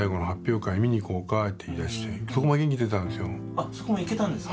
・あっそこも行けたんですか？